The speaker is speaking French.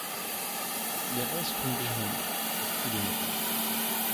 Il reste une légende pour tous les motards.